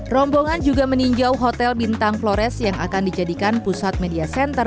rombongan juga meninjau hotel bintang flores yang akan dijadikan pusat media center